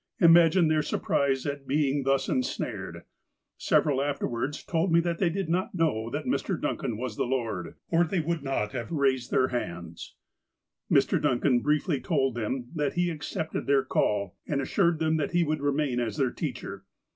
Imagine their surprise at being thus ensnared ! Several afterwards told me that they did not know that Mr. Duncan was the Lord, or they would not have raised their hands." Mr. Duncan briefly told them that he accepted their call, and assured them that he would remain as their teacher.